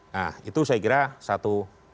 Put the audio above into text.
nah itu saya kira satu